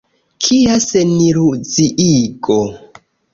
Kia seniluziigo.